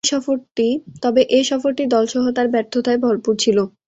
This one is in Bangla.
তবে, এ সফরটি দলসহ তার ব্যর্থতায় ভরপুর ছিল।